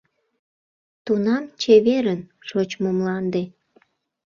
Тунам чеверын, шочмо мланде!..»